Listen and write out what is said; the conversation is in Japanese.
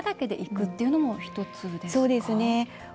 親だけでいくっていうのは大事ですか？